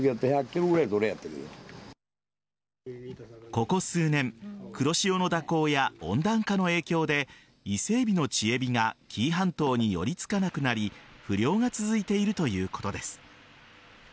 ここ数年黒潮の蛇行や温暖化の影響でイセエビの稚エビが紀伊半島に寄りつかなくなり不漁が続いているということです。